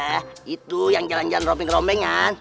eh itu yang jalan jalan rombeng rombengan